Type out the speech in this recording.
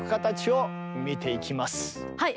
はい。